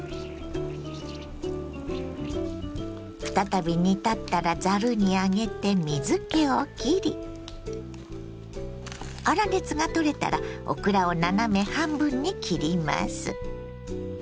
再び煮立ったらざるに上げて水けをきり粗熱が取れたらオクラを斜め半分に切ります。